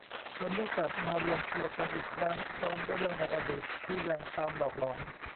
คนได้กลับมารวมตัวกันอีกครั้งพร้อมเรื่องในอดีตที่ยังตามหลอกหลอน